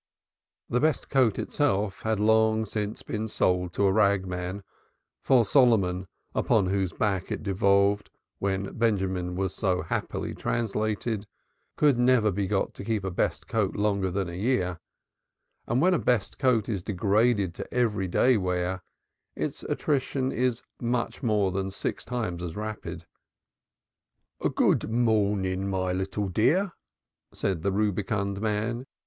The best coat itself had long since been sold to a ragman, for Solomon, upon whose back it devolved, when Benjamin was so happily translated, could never be got to keep a best coat longer than a year, and when a best coat is degraded to every day wear its attrition is much more than six times as rapid. "Good mornen, my little dear," said the rubicund man.